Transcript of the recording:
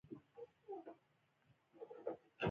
ابن بطوطه مشهور مسلمان سیاح و.